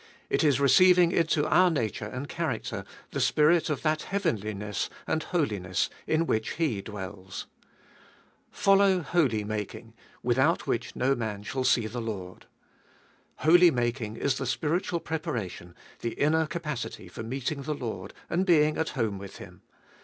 It is receiving into our nature and character the spirit of that heavenliness and holiness in which He dwells. Follow holy making, without which no man shall see the Lord. Holy making is the spiritual pre paration, the inner capacity for meeting the Lord, and being at home with Him.